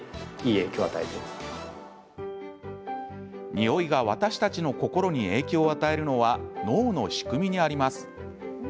匂いが私たちの心に影響を与えるのは脳の仕組みにあります。